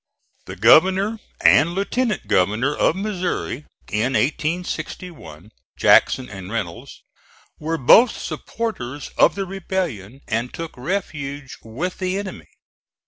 The Governor and Lieutenant Governor of Missouri, in 1861, Jackson and Reynolds, were both supporters of the rebellion and took refuge with the enemy.